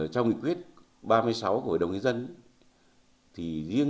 trong nghị quyết ba mươi sáu của hội đồng nhân dân